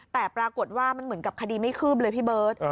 แต่ปรากฏว่ามันเหมือนกับคดีไม่คืบเลยพี่เบิร์ต